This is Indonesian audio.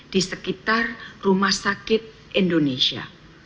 di sekitar rumah sakit indonesia